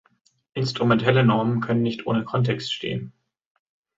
Instrumentelle Normen können nicht ohne Kontext stehen.